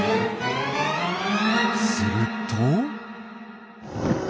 すると。